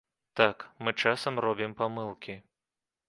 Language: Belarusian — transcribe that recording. Так, мы часам робім памылкі.